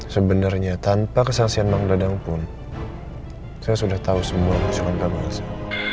sebenarnya tanpa kesaksian mang dada pun saya sudah tahu semua musuhkan pemalsu